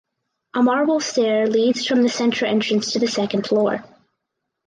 A marble stair leads from the center entrance to the second floor.